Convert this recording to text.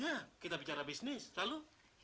ya kita bicara bisnis lalu